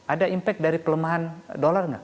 ada impact dari pelemahan dolar nggak